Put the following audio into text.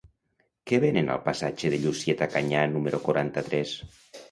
Què venen al passatge de Llucieta Canyà número quaranta-tres?